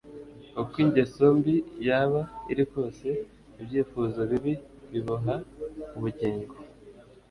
Uko ingeso mbi yaba iri kose, ibyifuzo bibi biboha ubugingo